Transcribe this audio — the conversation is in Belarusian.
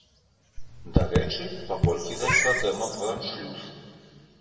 Дарэчы, паколькі зайшла тэма пра аншлюс.